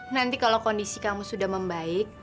nanti kalau kondisi kamu sudah membaik